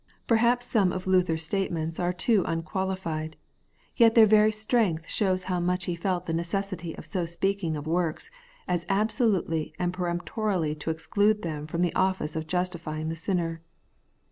Perhaps some of Luther's statements are too unqualified ; yet their very strength shows how much he felt the necessity of so speaking of works, as absolutely and peremptorily to exclude them from the office of justifying the sinner.